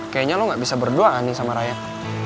kayaknya lo gak bisa berdua kan nih sama rayyan